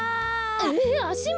えあしも！？